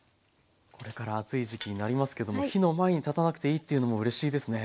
これから暑い時期になりますけども火の前に立たなくていいっていうのもうれしいですね。